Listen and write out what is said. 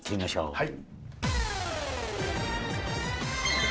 はい。